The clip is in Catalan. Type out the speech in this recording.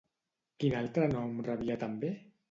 Quin altre nom rebia també?